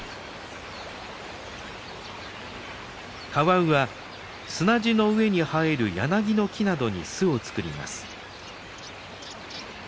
カワウは砂地の上に生えるヤナギの木などに巣を作ります。